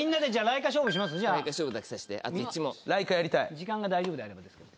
時間が大丈夫であればですけど。